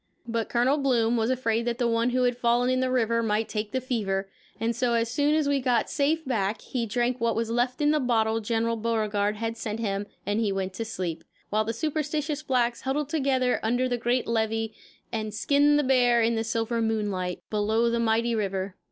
But Colonel Bloom was afraid that the one who had fallen in the river might take the fever, and so as soon as we got safe back he drank what was left in the bottle General Beauregard had sent him and he went to sleep; while the superstitious blacks huddled together under the great levee and skinned the bear in the silver moonlight, below the mighty river.